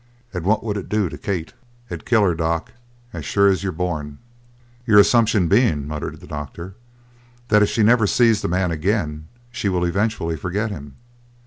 And what would it do to Kate? It'd kill her, Doc, as sure as you're born." "Your assumption being," murmured the doctor, "that if she never sees the man again she will eventually forget him."